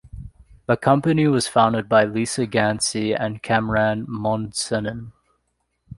The company was founded by Lisa Gansky and Kamran Mohsenin.